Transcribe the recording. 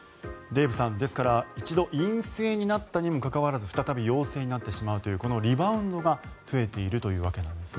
デーブさん、ですから一度陰性になったにもかかわらず再び陽性になってしまうというこのリバウンドが増えているというわけです。